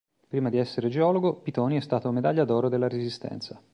Prima di essere geologo Pitoni è stato medaglia d'oro della Resistenza.